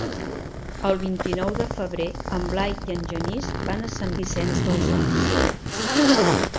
El vint-i-nou de febrer en Blai i en Genís van a Sant Vicenç dels Horts.